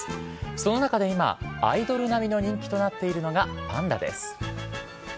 その中で今、アイドル並みの人気となっているのがパンダです。